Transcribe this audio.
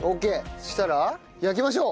そしたら焼きましょう。